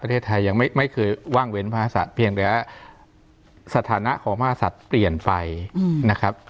ประเทศไทยยังไม่คือวั่งเว้นภาษัทเพียงแต่ศาสตร์ของภาษัทเปลี่ยนไปนะครับ